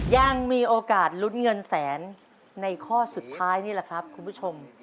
ยังมีโอกาสลุ้นเงินแสนในข้อสุดท้ายนี่แหละครับคุณผู้ชม